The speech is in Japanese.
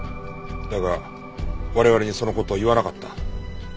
だが我々にその事を言わなかった。